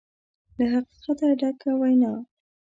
له حقیقته ډکه وینا